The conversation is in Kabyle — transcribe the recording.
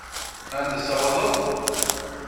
Ad n-tsawaleḍ?